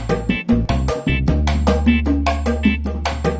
kok saya nanya gak dijawab